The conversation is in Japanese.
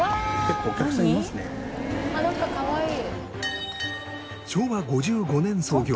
なんかかわいい。